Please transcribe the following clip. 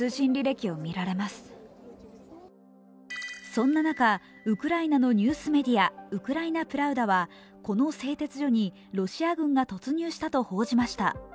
そんな中、ウクライナのニュースメディア、ウクライナ・プラウダはこの製鉄所にロシア軍が突入したと報じました。